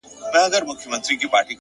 o كه به زما په دعا كيږي ـ